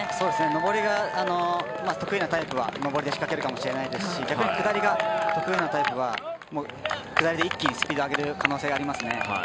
上りが得意なタイプは上りで仕掛けるかもしれないですし逆に下りが得意なタイプは下りで一気にスピードを上げる可能性がありますね。